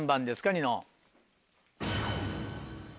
ニノ。